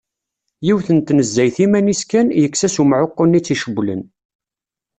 Yiwet n tnezzayt iman-is kan, yekkes-as umɛuqqu-nni tt-icewlen.